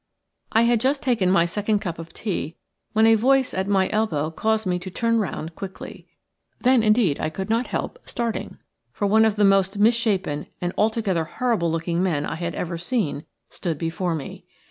I had just taken my second cup of tea when a voice at my elbow caused me to turn round quickly. Then, indeed, I could not help starting, for one of the most misshapen and altogether horrible looking men I had ever seen stood before me.